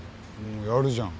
やるじゃん。